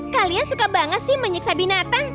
kalian suka banget sih menyiksa binatang